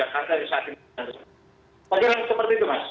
pada saat ini seperti itu mas